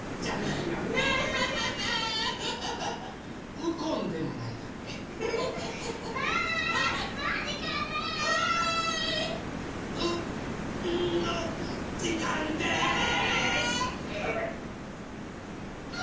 「うんのじかんです！」。です！